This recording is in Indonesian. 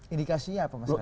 indikasinya apa mas radar